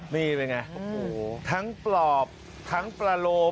นี่เป็นไงทั้งปลอบทั้งปลาโลม